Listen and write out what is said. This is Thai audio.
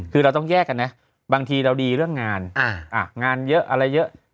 คือเราต้องแยกกันนะบางทีเราดีเรื่องงานงานเยอะอะไรเยอะ